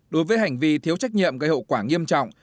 đối với hành vi thiếu trách nhiệm gây hậu quả nghiêm trọng